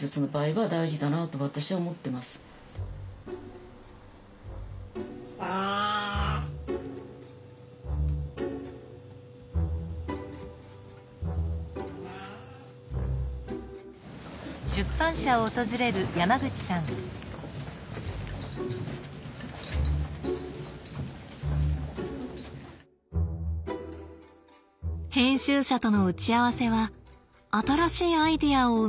編集者との打ち合わせは新しいアイデアを生み出すチャンス。